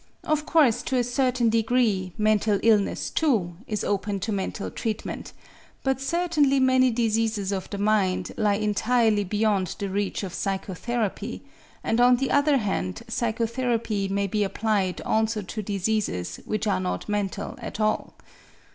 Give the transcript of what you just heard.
Of course to a certain degree, mental illness too, is open to mental treatment; but certainly many diseases of the mind lie entirely beyond the reach of psychotherapy, and on the other hand psychotherapy may be applied also to diseases which are not mental at all.